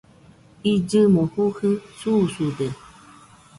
illɨmo jujɨ susude